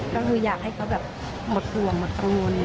ก็คือยากให้เขาหมดกลวงหมดกลวง